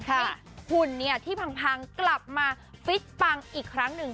ให้หุ่นนี้ที่พังกลับมาฟิชปังอีกครั้งนึง